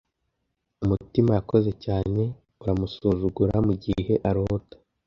umutima yakoze cyane uramusuzugura mugihe arota